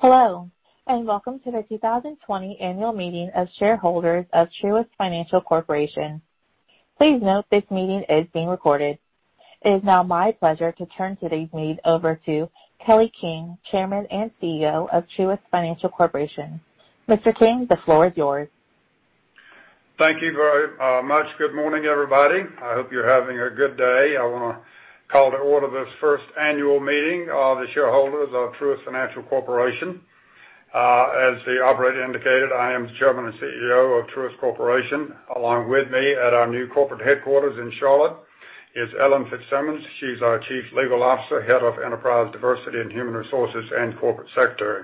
Hello, welcome to the 2020 annual meeting of shareholders of Truist Financial Corporation. Please note this meeting is being recorded. It is now my pleasure to turn today's meeting over to Kelly King, Chairman and CEO of Truist Financial Corporation. Mr. King, the floor is yours. Thank you very much. Good morning, everybody. I hope you're having a good day. I want to call to order this first annual meeting of the shareholders of Truist Financial Corporation. As the operator indicated, I am the Chairman and CEO of Truist Corporation. Along with me at our new corporate headquarters in Charlotte is Ellen Fitzsimmons. She's our Chief Legal Officer, Head of Enterprise Diversity and Human Resources and Corporate Secretary.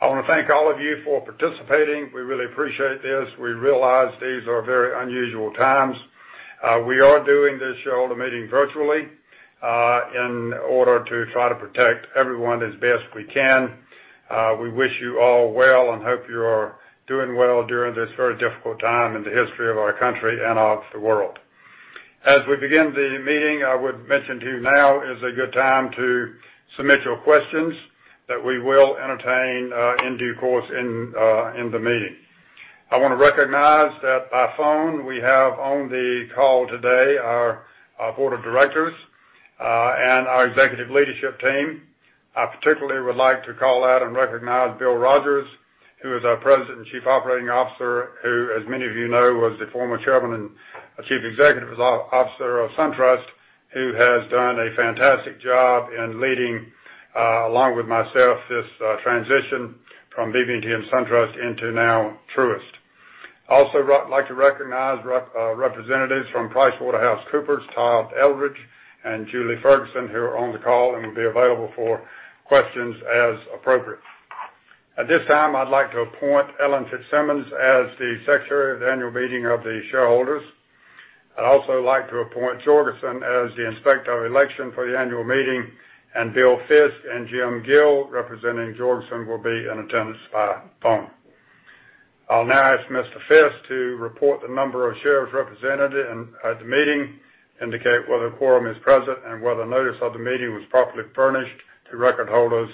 I want to thank all of you for participating. We really appreciate this. We realize these are very unusual times. We are doing this shareholder meeting virtually, in order to try to protect everyone as best we can. We wish you all well and hope you are doing well during this very difficult time in the history of our country and of the world. As we begin the meeting, I would mention to you now is a good time to submit your questions that we will entertain in due course in the meeting. I want to recognize that by phone we have on the call today our board of directors, and our executive leadership team. I particularly would like to call out and recognize Bill Rogers, who is our President and Chief Operating Officer, who, as many of you know, was the former Chairman and Chief Executive Officer of SunTrust, who has done a fantastic job in leading, along with myself, this transition from BB&T and SunTrust into now Truist. I also would like to recognize representatives from PricewaterhouseCoopers, Todd Eldridge and Julie Ferguson, who are on the call and will be available for questions as appropriate. At this time, I'd like to appoint Ellen Fitzsimmons as the secretary of the Annual Meeting of the Shareholders. I'd also like to appoint Georgeson as the Inspector of Election for the Annual Meeting, and Bill Fiske and Jim Gill, representing Georgeson, will be in attendance by phone. I'll now ask Mr. Fiske to report the number of shares represented at the Meeting, indicate whether a quorum is present, and whether notice of the Meeting was properly furnished to record holders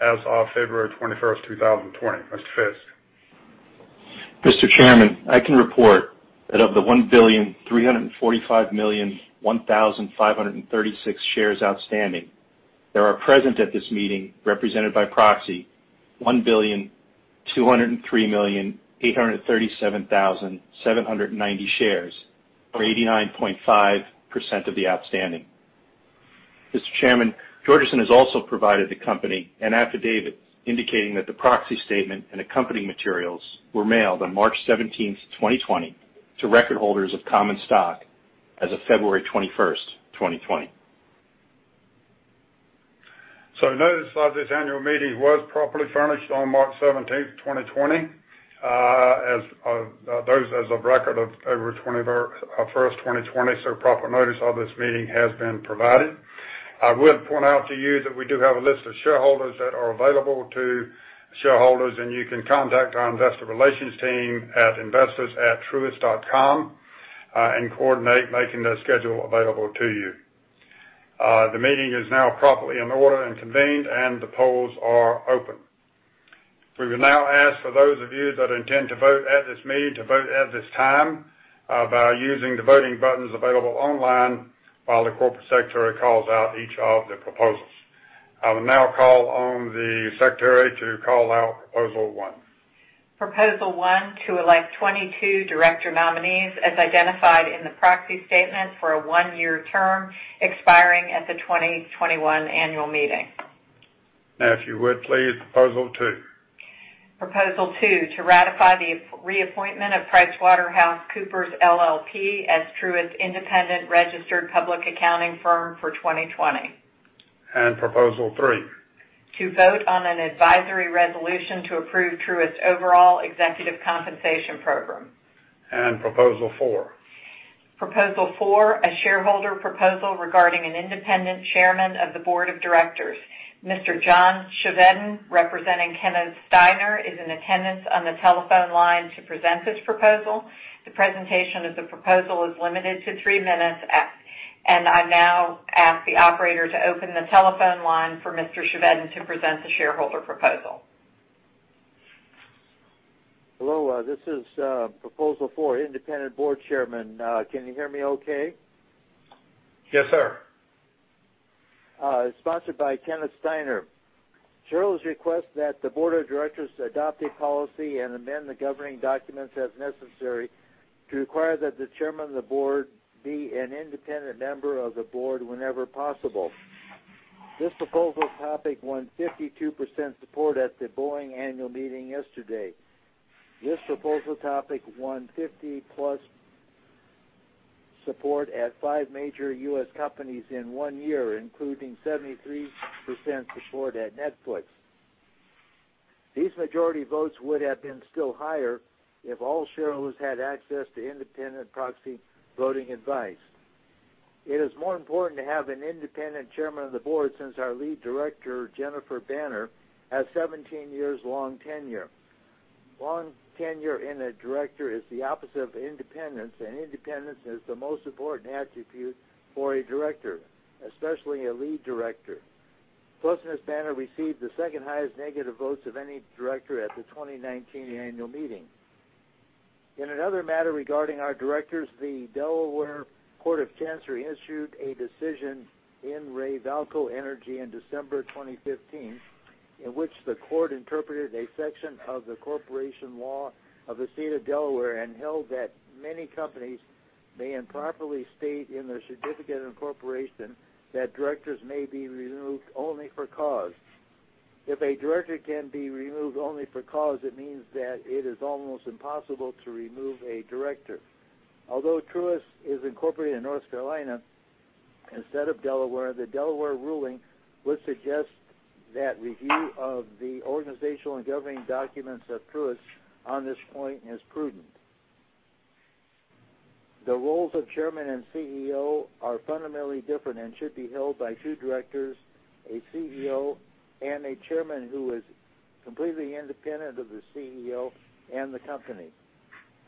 as of February 21st, 2020. Mr. Fiske. Mr. Chairman, I can report that of the 1,345,001,536 shares outstanding, there are present at this meeting, represented by proxy, 1,203,837,790 shares, or 89.5% of the outstanding. Mr. Chairman, Broadridge has also provided the company an affidavit indicating that the proxy statement and accompanying materials were mailed on March 17th, 2020 to record holders of common stock as of February 21st, 2020. Notice of this annual meeting was properly furnished on March 17th, 2020, as of record of February 21st, 2020, proper notice of this meeting has been provided. I would point out to you that we do have a list of shareholders that are available to shareholders, and you can contact our investor relations team at investors@truist.com and coordinate making that schedule available to you. The meeting is now properly in order and convened, and the polls are open. We will now ask for those of you that intend to vote at this meeting to vote at this time by using the voting buttons available online while the corporate secretary calls out each of the proposals. I will now call on the secretary to call out proposal one. Proposal one, to elect 22 director nominees as identified in the proxy statement for a one-year term expiring at the 2021 annual meeting. Now if you would please, proposal two. Proposal two, to ratify the reappointment of PricewaterhouseCoopers LLP as Truist's independent registered public accounting firm for 2020. Proposal three. To vote on an advisory resolution to approve Truist's overall executive compensation program. Proposal four. Proposal four, a shareholder proposal regarding an independent chairman of the board of directors. Mr. John Chevedden, representing Kenneth Steiner, is in attendance on the telephone line to present this proposal. The presentation of the proposal is limited to three minutes, and I now ask the operator to open the telephone line for Mr. Chevedden to present the shareholder proposal. Hello, this is proposal four, independent board chairman. Can you hear me okay? Yes, sir. Sponsored by Kenneth Steiner. Shareholders request that the board of directors adopt a policy and amend the governing documents as necessary to require that the chairman of the board be an independent member of the board whenever possible. This proposal topic won 52% support at the Boeing annual meeting yesterday. This proposal topic won 50%+ support at five major U.S. companies in one year, including 73% support at Netflix. These majority votes would have been still higher if all shareholders had access to independent proxy voting advice. It is more important to have an independent chairman of the board since our Lead Director, Jennifer Banner, has 17 years long tenure. Long tenure in a director is the opposite of independence, and independence is the most important attribute for a director, especially a lead director. Jennifer Banner received the second highest negative votes of any director at the 2019 annual meeting. In another matter regarding our directors, the Delaware Court of Chancery issued a decision in re Vaalco Energy in December 2015, in which the court interpreted a section of the corporation law of the State of Delaware and held that many companies may improperly state in their certificate of incorporation that directors may be removed only for cause. If a director can be removed only for cause, it means that it is almost impossible to remove a director. Although Truist is incorporated in North Carolina instead of Delaware, the Delaware ruling would suggest that review of the organizational and governing documents of Truist on this point is prudent. The roles of chairman and CEO are fundamentally different and should be held by two directors, a CEO, and a chairman who is completely independent of the CEO and the company.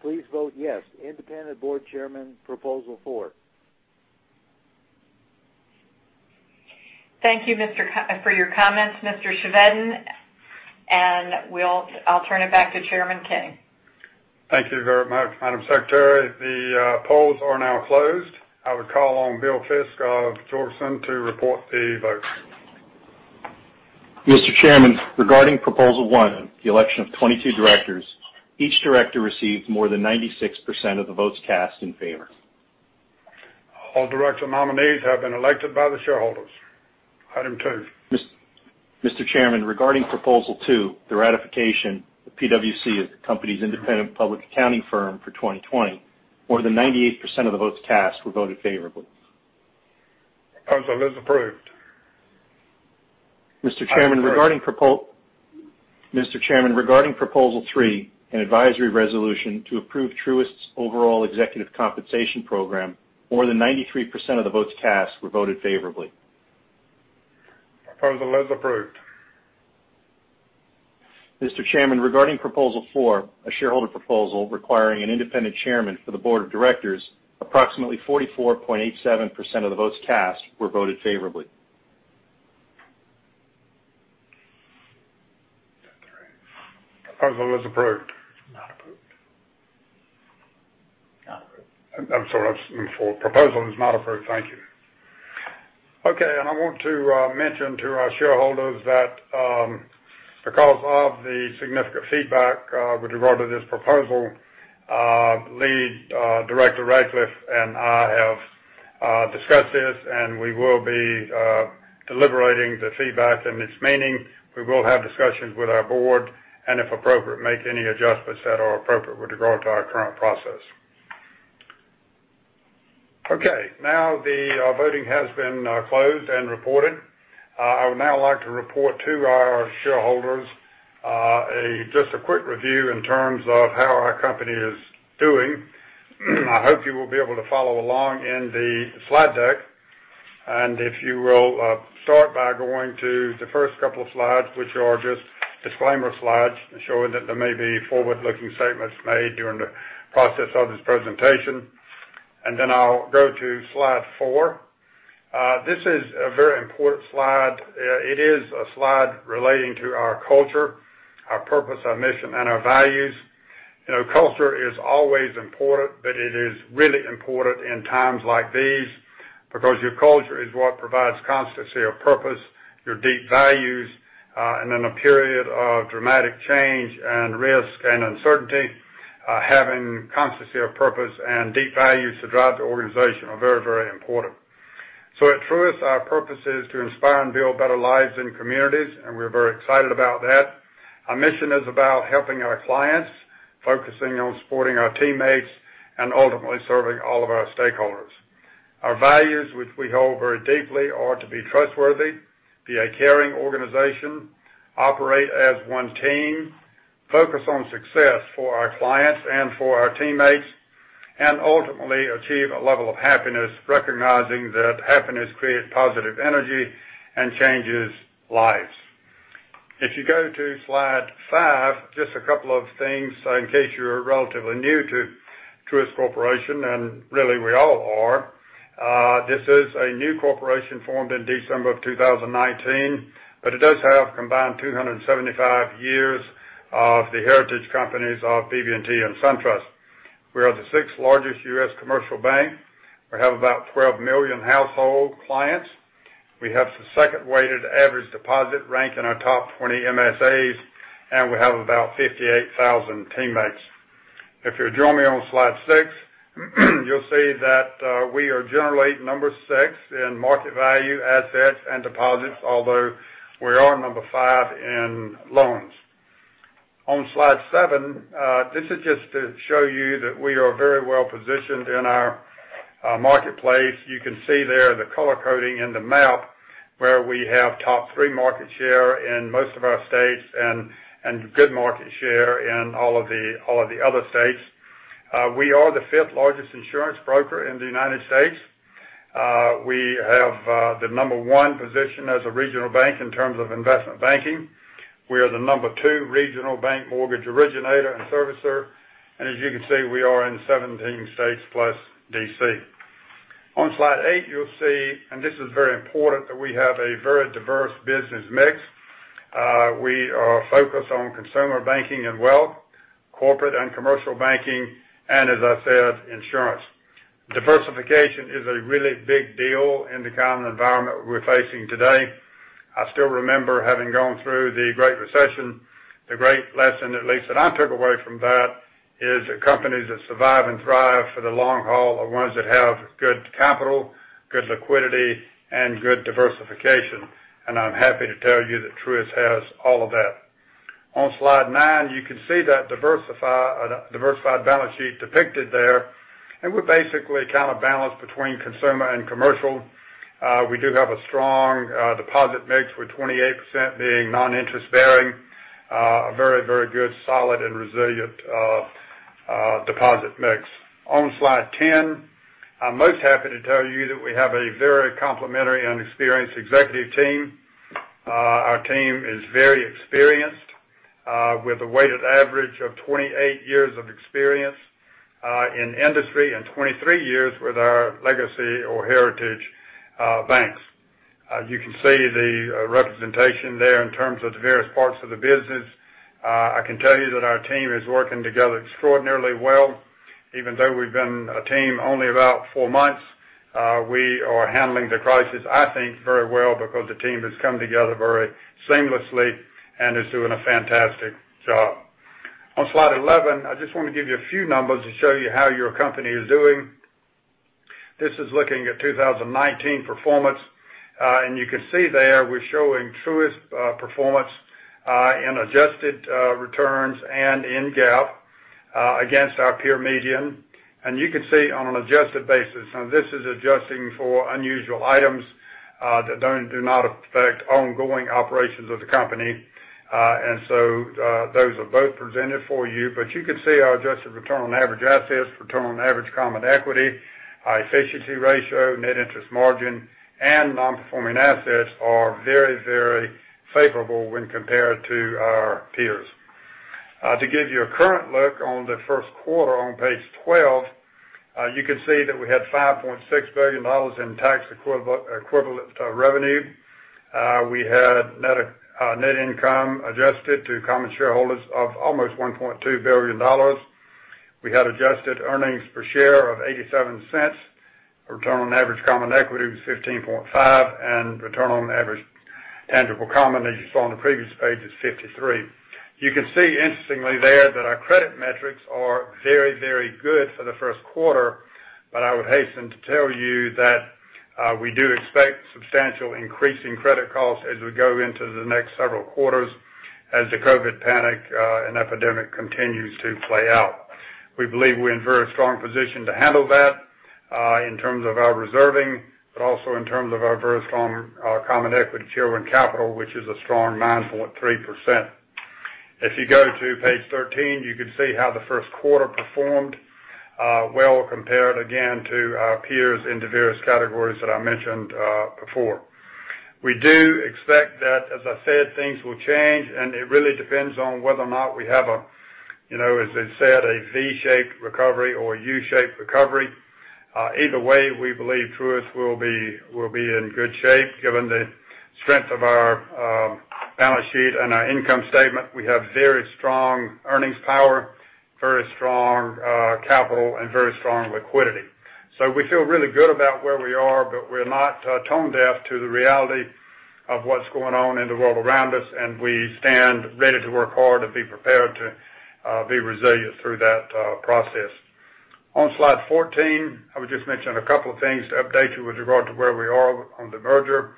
Please vote yes, independent board chairman, proposal four. Thank you for your comments, Mr. Chevedden, and I'll turn it back to Chairman King. Thank you very much, Madam Secretary. The polls are now closed. I would call on Bill Fiske of Georgeson to report the votes. Mr. Chairman, regarding proposal one, the election of 22 directors, each director received more than 96% of the votes cast in favor. All director nominees have been elected by the shareholders. Item two. Mr. Chairman, regarding proposal two, the ratification of PwC as the company's independent public accounting firm for 2020, more than 98% of the votes cast were voted favorably. Proposal is approved. Mr. Chairman, regarding proposal three, an advisory resolution to approve Truist's overall executive compensation program, more than 93% of the votes cast were voted favorably. Proposal is approved. Mr. Chairman, regarding proposal four, a shareholder proposal requiring an independent chairman for the board of directors, approximately 44.87% of the votes cast were voted favorably. Proposal is approved. Not approved. I'm sorry. Proposal is not approved. Thank you. I want to mention to our shareholders that because of the significant feedback with regard to this proposal, Lead Director Ratcliffe and I have discussed this, and we will be deliberating the feedback and its meaning. We will have discussions with our board, and if appropriate, make any adjustments that are appropriate with regard to our current process. The voting has been closed and reported. I would now like to report to our shareholders just a quick review in terms of how our company is doing. I hope you will be able to follow along in the slide deck. If you will start by going to the first couple of slides, which are just disclaimer slides showing that there may be forward-looking statements made during the process of this presentation. I'll go to slide four. This is a very important slide. It is a slide relating to our culture, our purpose, our mission, and our values. Culture is always important, but it is really important in times like these because your culture is what provides constancy of purpose, your deep values. In a period of dramatic change and risk and uncertainty, having constancy of purpose and deep values to drive the organization are very, very important. At Truist, our purpose is to inspire and build better lives in communities, and we're very excited about that. Our mission is about helping our clients, focusing on supporting our teammates, and ultimately serving all of our stakeholders. Our values, which we hold very deeply, are to be trustworthy, be a caring organization, operate as one team, focus on success for our clients and for our teammates, and ultimately achieve a level of happiness, recognizing that happiness creates positive energy and changes lives. If you go to slide five, just a couple of things in case you're relatively new to Truist Corporation, and really we all are. It does have a combined 275 years of the heritage companies of BB&T and SunTrust. We are the sixth-largest U.S. commercial bank. We have about 12 million household clients. We have the second weighted average deposit rank in our top 20 MSAs. We have about 58,000 teammates. If you join me on slide six, you'll see that we are generally number six in market value, assets, and deposits, although we are number five in loans. On slide seven, this is just to show you that we are very well-positioned in our marketplace. You can see there the color coding in the map where we have top three market share in most of our states and good market share in all of the other states. We are the fifth-largest insurance broker in the United States. We have the number one position as a regional bank in terms of investment banking. We are the number two regional bank mortgage originator and servicer, and as you can see, we are in 17 states plus D.C. On slide eight, you'll see, and this is very important, that we have a very diverse business mix. We are focused on consumer banking and wealth, corporate and commercial banking, and as I said, insurance. Diversification is a really big deal in the kind of environment we're facing today. I still remember having gone through the Great Recession. The great lesson, at least that I took away from that, is that companies that survive and thrive for the long haul are ones that have good capital, good liquidity, and good diversification. I'm happy to tell you that Truist has all of that. On slide nine, you can see that diversified balance sheet depicted there, and we're basically kind of balanced between consumer and commercial. We do have a strong deposit mix with 28% being non-interest-bearing, a very good, solid, and resilient deposit mix. On slide 10, I'm most happy to tell you that we have a very complementary and experienced executive team. Our team is very experienced, with a weighted average of 28 years of experience in the industry and 23 years with our legacy or heritage banks. You can see the representation there in terms of the various parts of the business. I can tell you that our team is working together extraordinarily well. Even though we've been a team only about four months, we are handling the crisis, I think, very well because the team has come together very seamlessly and is doing a fantastic job. On slide 11, I just want to give you a few numbers to show you how your company is doing. This is looking at 2019 performance. You can see there, we're showing Truist performance in adjusted returns and in GAAP against our peer median. You can see on an adjusted basis, now this is adjusting for unusual items that do not affect ongoing operations of the company. Those are both presented for you. You can see our adjusted return on average assets, return on average common equity, our efficiency ratio, net interest margin, and non-performing assets are very favorable when compared to our peers. To give you a current look on the first quarter on page 12, you can see that we had $5.6 billion in tax equivalent revenue. We had net income adjusted to common shareholders of almost $1.2 billion. We had adjusted earnings per share of $0.87. Our return on average common equity was 15.5%, and return on average tangible common, as you saw on the previous page, is 53%. You can see interestingly there that our credit metrics are very good for the first quarter. I would hasten to tell you that we do expect substantial increase in credit costs as we go into the next several quarters as the COVID panic and epidemic continues to play out. We believe we're in very strong position to handle that, in terms of our reserving, but also in terms of our very strong Common Equity tier one capital, which is a strong 9.3%. If you go to page 13, you can see how the first quarter performed well compared, again, to our peers in the various categories that I mentioned before. We do expect that, as I said, things will change, and it really depends on whether or not we have a, as they said, a V-shaped recovery or a U-shaped recovery. Either way, we believe Truist will be in good shape given the strength of our balance sheet and our income statement. We have very strong earnings power, very strong capital, and very strong liquidity. We feel really good about where we are, but we're not tone deaf to the reality of what's going on in the world around us. We stand ready to work hard and be prepared to be resilient through that process. On slide 14, I would just mention a couple of things to update you with regard to where we are on the merger.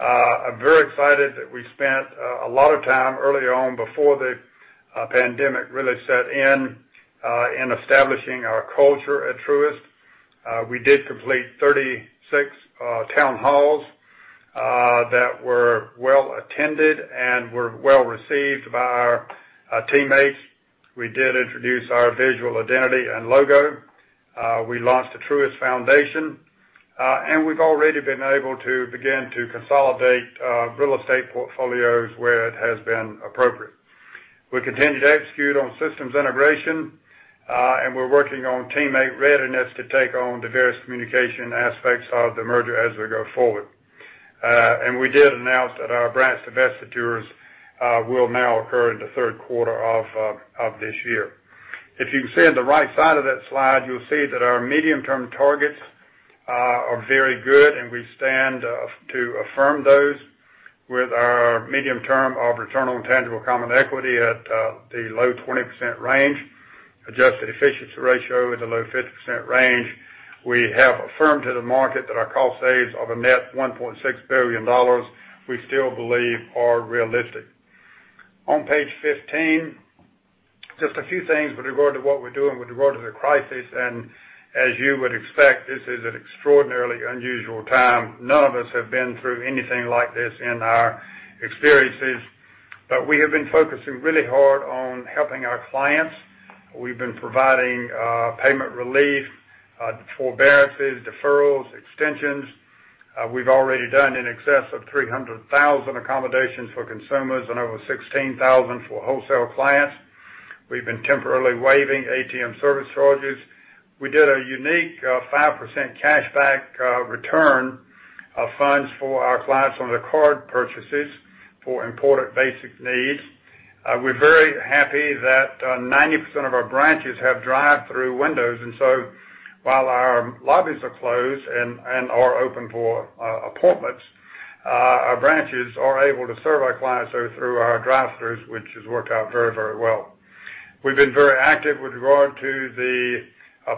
I'm very excited that we spent a lot of time early on before the pandemic really set in establishing our culture at Truist. We did complete 36 town halls that were well attended and were well received by our teammates. We did introduce our visual identity and logo. We launched the Truist Foundation. We've already been able to begin to consolidate real estate portfolios where it has been appropriate. We continued to execute on systems integration, we're working on teammate readiness to take on the various communication aspects of the merger as we go forward. We did announce that our branch divestitures will now occur in the third quarter of this year. If you can see on the right side of that slide, you'll see that our medium-term targets are very good and we stand to affirm those with our medium-term of return on tangible common equity at the low 20% range, adjusted efficiency ratio at the low 50% range. We have affirmed to the market that our cost saves of a net $1.6 billion we still believe are realistic. On page 15, just a few things with regard to what we're doing with regard to the crisis, and as you would expect, this is an extraordinarily unusual time. None of us have been through anything like this in our experiences. We have been focusing really hard on helping our clients. We've been providing payment relief, forbearances, deferrals, extensions. We've already done in excess of 300,000 accommodations for consumers and over 16,000 for wholesale clients. We've been temporarily waiving ATM service charges. We did a unique 5% cashback return of funds for our clients on their card purchases for important basic needs. We're very happy that 90% of our branches have drive-thru windows. While our lobbies are closed and are open for appointments, our branches are able to serve our clients through our drive-thrus, which has worked out very well. We've been very active with regard to the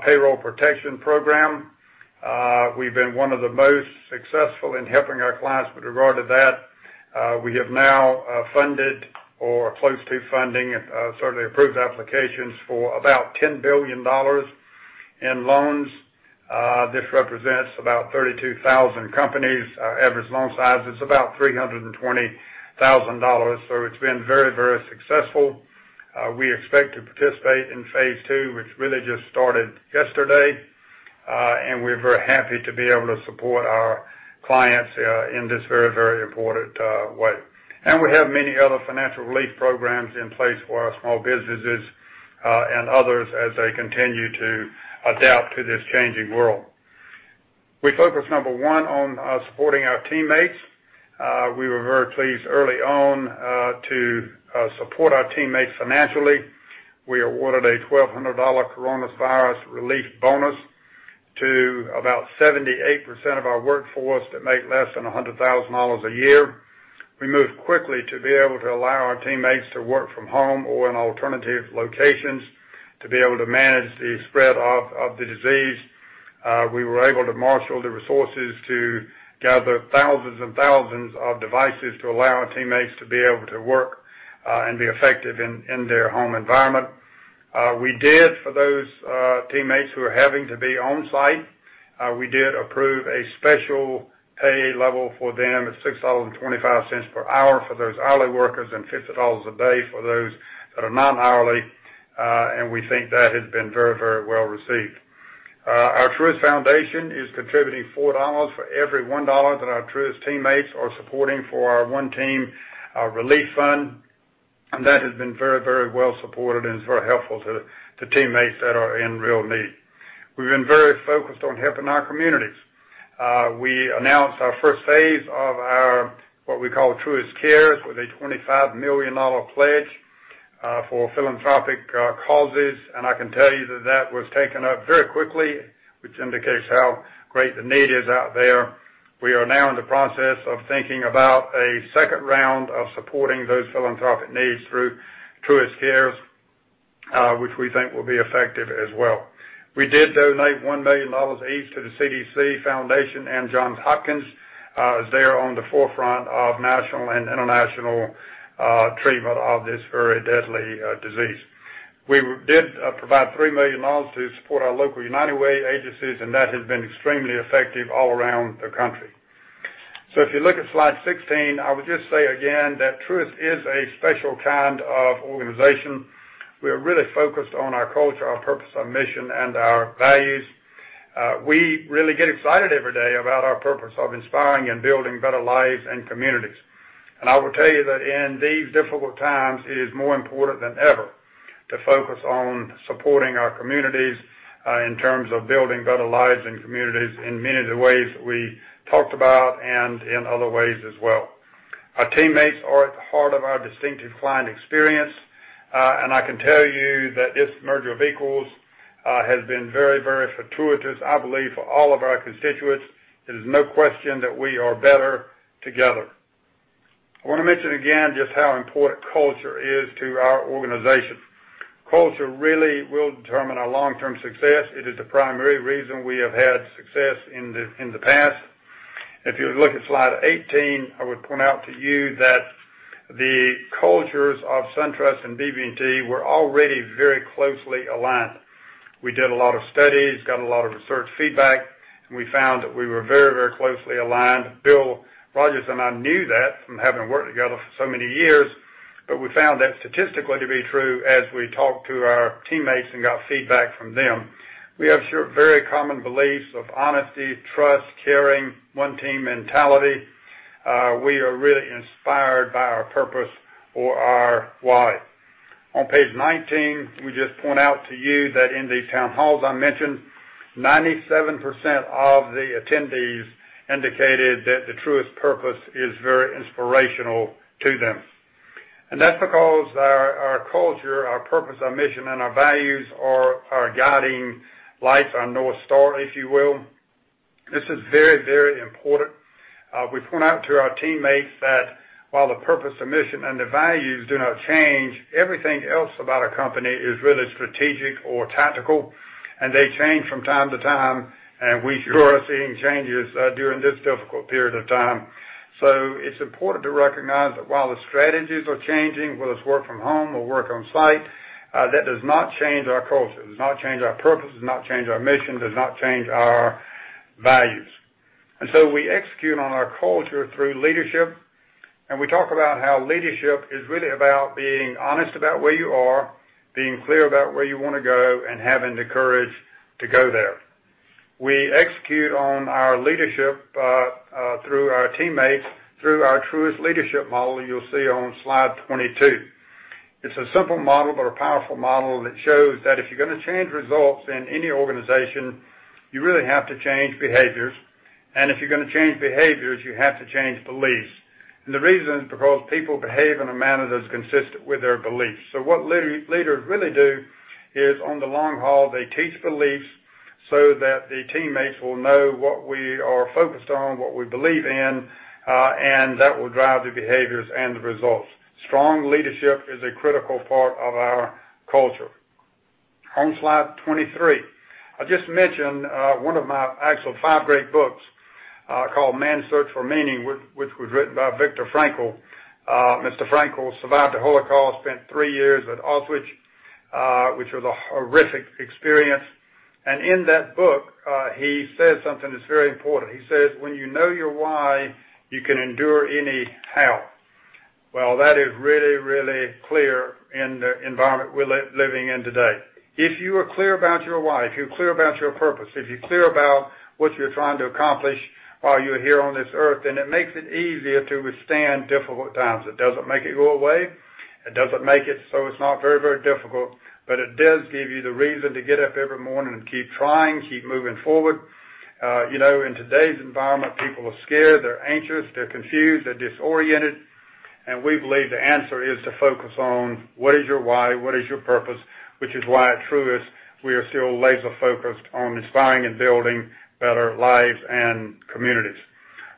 Paycheck Protection Program. We've been one of the most successful in helping our clients with regard to that. We have now funded or close to funding, certainly approved applications for about $10 billion in loans. This represents about 32,000 companies. Our average loan size is about $320,000. It's been very successful. We expect to participate in phase II, which really just started yesterday. We're very happy to be able to support our clients in this very important way. We have many other financial relief programs in place for our small businesses, and others as they continue to adapt to this changing world. We focus, number one, on supporting our teammates. We were very pleased early on to support our teammates financially. We awarded a $1,200 coronavirus relief bonus to about 78% of our workforce that make less than $100,000 a year. We moved quickly to be able to allow our teammates to work from home or in alternative locations to be able to manage the spread of the disease. We were able to marshal the resources to gather thousands and thousands of devices to allow our teammates to be able to work, and be effective in their home environment. We did, for those teammates who are having to be on-site, we did approve a special pay level for them at $6.25 per hour for those hourly workers and $50 a day for those that are non-hourly. We think that has been very well-received. Our Truist Foundation is contributing $4 for every $1 that our Truist teammates are supporting for our One Team Relief Fund, and that has been very well-supported and is very helpful to teammates that are in real need. We've been very focused on helping our communities. We announced our first phase of our, what we call Truist Cares with a $25 million pledge for philanthropic causes. I can tell you that that was taken up very quickly, which indicates how great the need is out there. We are now in the process of thinking about a second round of supporting those philanthropic needs through Truist Cares, which we think will be effective as well. We did donate $1 million each to the CDC Foundation and Johns Hopkins, as they are on the forefront of national and international treatment of this very deadly disease. We did provide $3 million to support our local United Way agencies. That has been extremely effective all around the country. If you look at slide 16, I would just say again that Truist is a special kind of organization. We are really focused on our culture, our purpose, our mission, and our values. We really get excited every day about our purpose of inspiring and building better lives and communities. I will tell you that in these difficult times, it is more important than ever to focus on supporting our communities, in terms of building better lives and communities in many of the ways that we talked about and in other ways as well. Our teammates are at the heart of our distinctive client experience. I can tell you that this merger of equals has been very fortuitous, I believe for all of our constituents. It is no question that we are better together. I want to mention again just how important culture is to our organization. Culture really will determine our long-term success. It is the primary reason we have had success in the past. If you look at slide 18, I would point out to you that the cultures of SunTrust and BB&T were already very closely aligned. We did a lot of studies, got a lot of research feedback, and we found that we were very closely aligned. Bill Rogers and I knew that from having worked together for so many years, but we found that statistically to be true as we talked to our teammates and got feedback from them. We have very common beliefs of honesty, trust, caring, one team mentality. We are really inspired by our purpose or our why. On page 19, we just point out to you that in the town halls I mentioned, 97% of the attendees indicated that the Truist purpose is very inspirational to them. That's because our culture, our purpose, our mission, and our values are our guiding lights, our North Star, if you will. This is very important. We point out to our teammates that while the purpose, the mission, and the values do not change, everything else about a company is really strategic or tactical, and they change from time to time, and we sure are seeing changes during this difficult period of time. It's important to recognize that while the strategies are changing, whether it's work from home or work on-site, that does not change our culture. It does not change our purpose, it does not change our mission, does not change our values. We execute on our culture through leadership, and we talk about how leadership is really about being honest about where you are, being clear about where you want to go, and having the courage to go there. We execute on our leadership through our teammates, through our Truist leadership model you'll see on slide 22. It's a simple model but a powerful model that shows that if you're going to change results in any organization, you really have to change behaviors. If you're going to change behaviors, you have to change beliefs. The reason is because people behave in a manner that's consistent with their beliefs. What leaders really do is, on the long haul, they teach beliefs so that the teammates will know what we are focused on, what we believe in, and that will drive the behaviors and the results. Strong leadership is a critical part of our culture. On slide 23. I just mentioned one of my actual five great books, called "Man's Search for Meaning," which was written by Viktor Frankl. Mr. Frankl survived the Holocaust, spent three years at Auschwitz, which was a horrific experience. In that book, he says something that's very important. He says, "When you know your why, you can endure any how." That is really, really clear in the environment we're living in today. If you are clear about your why, if you're clear about your purpose, if you're clear about what you're trying to accomplish while you're here on this earth, then it makes it easier to withstand difficult times. It doesn't make it go away. It doesn't make it so it's not very difficult, but it does give you the reason to get up every morning and keep trying, keep moving forward. In today's environment, people are scared, they're anxious, they're confused, they're disoriented. We believe the answer is to focus on what is your why, what is your purpose, which is why at Truist, we are still laser focused on inspiring and building better lives and communities.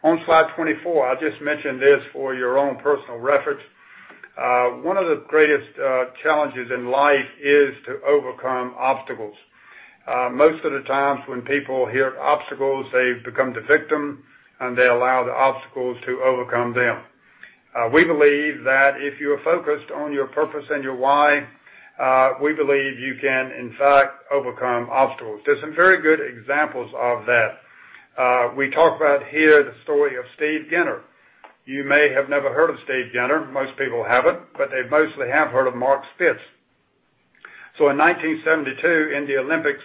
On slide 24, I'll just mention this for your own personal reference. One of the greatest challenges in life is to overcome obstacles. Most of the times when people hear obstacles, they become the victim, and they allow the obstacles to overcome them. We believe that if you are focused on your purpose and your why, we believe you can in fact overcome obstacles. There's some very good examples of that. We talk about here the story of Steve Genter. You may have never heard of Steve Genter. Most people haven't. They mostly have heard of Mark Spitz. In 1972, in the Olympics,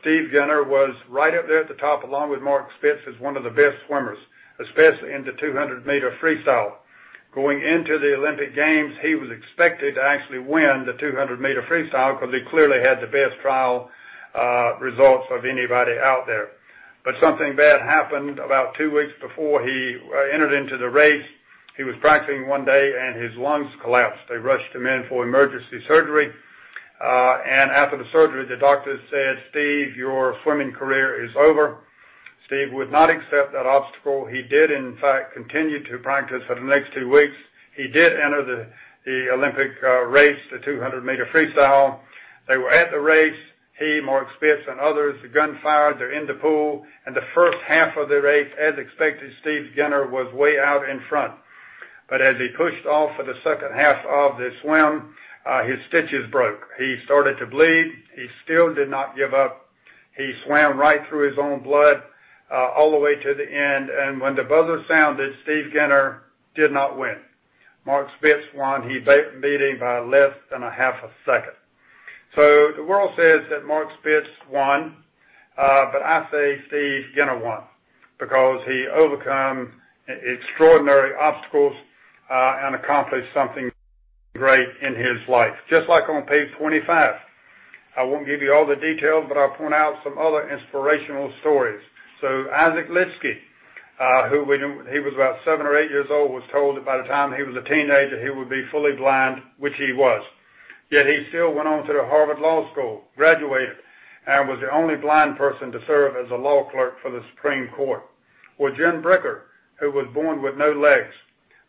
Steve Genter was right up there at the top, along with Mark Spitz, as one of the best swimmers, especially in the 200-meter freestyle. Going into the Olympic Games, he was expected to actually win the 200-meter freestyle because he clearly had the best trial results of anybody out there. Something bad happened about two weeks before he entered into the race. He was practicing one day and his lungs collapsed. They rushed him in for emergency surgery. After the surgery, the doctor said, "Steve, your swimming career is over." Steve would not accept that obstacle. He did, in fact, continue to practice for the next two weeks. He did enter the Olympic race, the 200-meter freestyle. They were at the race, he, Mark Spitz, and others. The gun fired, they're in the pool, and the first half of the race, as expected, Steve Genter was way out in front. As he pushed off for the second half of the swim, his stitches broke. He started to bleed. He still did not give up. He swam right through his own blood all the way to the end. When the buzzer sounded, Steve Genter did not win. Mark Spitz won. He beat him by less than a half a second. The world says that Mark Spitz won, but I say Steve Genter won because he overcome extraordinary obstacles, and accomplished something great in his life. Just like on page 25. I won't give you all the details, but I'll point out some other inspirational stories. Isaac Lidsky, he was about seven or eight years old, was told that by the time he was a teenager, he would be fully blind, which he was. Yet he still went on to the Harvard Law School, graduated, and was the only blind person to serve as a law clerk for the Supreme Court. Jen Bricker, who was born with no legs.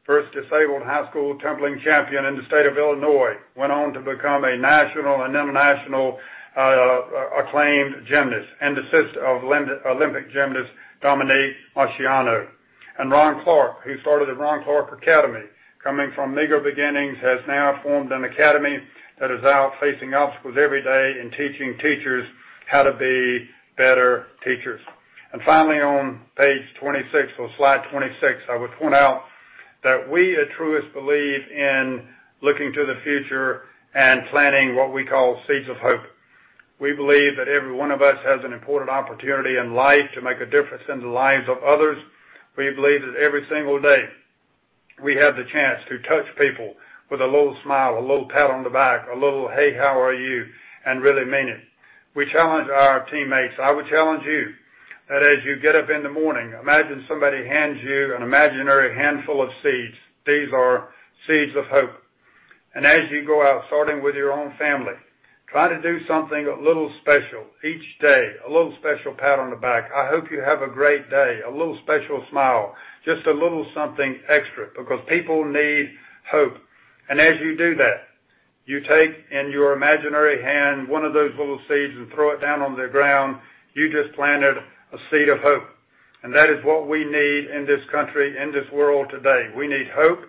First disabled high school tumbling champion in the state of Illinois. Went on to become a national and international acclaimed gymnast and the sister of Olympic gymnast Dominique Moceanu. Ron Clark, who started the Ron Clark Academy. Coming from meager beginnings, has now formed an academy that is out facing obstacles every day and teaching teachers how to be better teachers. Finally, on page 26 or slide 26, I would point out that we at Truist believe in looking to the future and planting what we call seeds of hope. We believe that every one of us has an important opportunity in life to make a difference in the lives of others. We believe that every single day we have the chance to touch people with a little smile, a little pat on the back, a little, "Hey, how are you?" Really mean it. We challenge our teammates. I would challenge you that as you get up in the morning, imagine somebody hands you an imaginary handful of seeds. These are seeds of hope. As you go out, starting with your own family, try to do something a little special each day, a little special pat on the back. I hope you have a great day. A little special smile, just a little something extra because people need hope. As you do that, you take in your imaginary hand one of those little seeds and throw it down on the ground. You just planted a seed of hope. That is what we need in this country, in this world today. We need hope.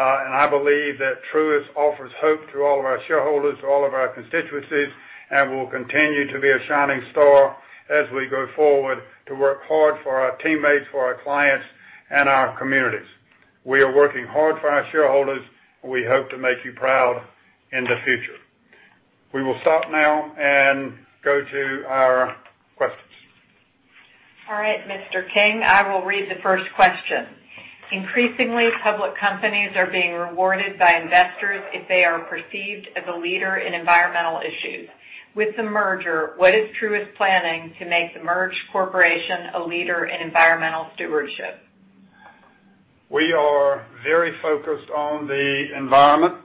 I believe that Truist offers hope to all of our shareholders, all of our constituencies, and will continue to be a shining star as we go forward to work hard for our teammates, for our clients, and our communities. We are working hard for our shareholders, and we hope to make you proud in the future. We will stop now and go to our questions. All right, Mr. King, I will read the first question. Increasingly, public companies are being rewarded by investors if they are perceived as a leader in environmental issues. With the merger, what is Truist planning to make the merged corporation a leader in environmental stewardship? We are very focused on the environment.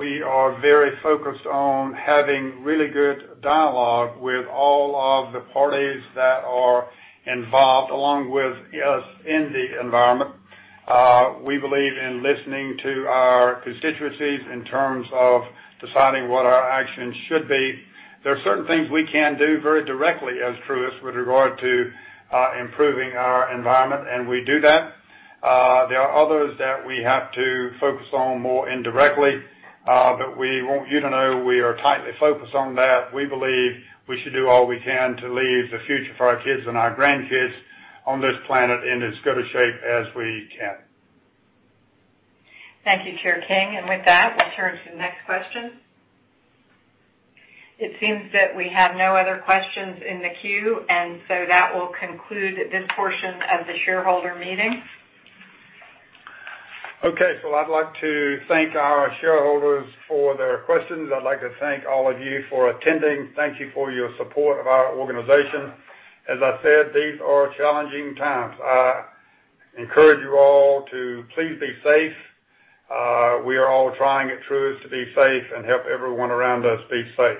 We are very focused on having really good dialogue with all of the parties that are involved along with us in the environment. We believe in listening to our constituencies in terms of deciding what our actions should be. There are certain things we can do very directly as Truist with regard to improving our environment, and we do that. There are others that we have to focus on more indirectly, but we want you to know we are tightly focused on that. We believe we should do all we can to leave the future for our kids and our grandkids on this planet in as good a shape as we can. Thank you, Chair King. With that, we'll turn to the next question. It seems that we have no other questions in the queue, that will conclude this portion of the shareholder meeting. I'd like to thank our shareholders for their questions. I'd like to thank all of you for attending. Thank you for your support of our organization. As I said, these are challenging times. I encourage you all to please be safe. We are all trying at Truist to be safe and help everyone around us be safe.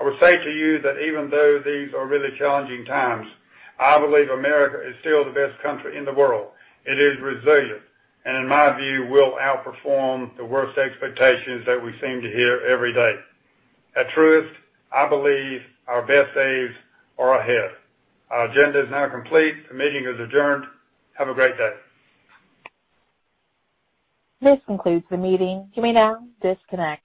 I would say to you that even though these are really challenging times, I believe America is still the best country in the world. It is resilient and, in my view, will outperform the worst expectations that we seem to hear every day. At Truist, I believe our best days are ahead. Our agenda is now complete. The meeting is adjourned. Have a great day. This concludes the meeting. You may now disconnect.